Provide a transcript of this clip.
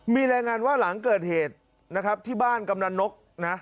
มีรายงานว่าหลังเกิดเหตุที่บ้านกำดาลนก